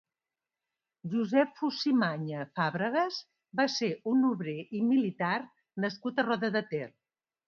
Josep Fusimaña Fábregas va ser un obrer i militar nascut a Roda de Ter.